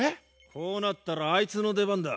こうなったらあいつの出番だ。